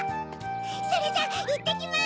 それじゃいってきます！